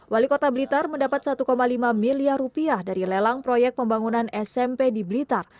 wali kota blitar mendapat satu lima miliar rupiah dari lelang proyek pembangunan smp di blitar